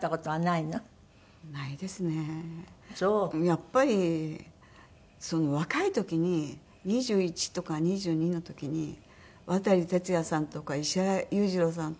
やっぱり若い時に２１とか２２の時に渡哲也さんとか石原裕次郎さんと出会ってしまったので。